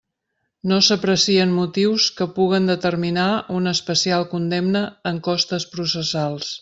No s'aprecien motius que puguen determinar una especial condemna en costes processals.